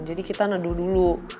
jadi kita nedu dulu